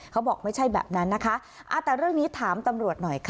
เขาบอกไม่ใช่แบบนั้นนะคะแต่เรื่องนี้ถามตำรวจหน่อยค่ะ